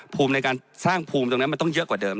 ภูมิในการสร้างภูมิตรงนั้นมันต้องเยอะกว่าเดิม